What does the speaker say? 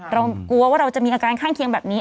เรากลัวว่าเราจะมีอาการข้างเคียงแบบนี้